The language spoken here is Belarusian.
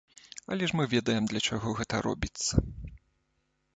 Але ж мы ведаем, для чаго гэта робіцца.